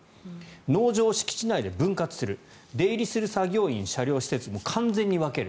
農場を敷地内で分割する出入りする作業員、車両・施設も完全に分ける。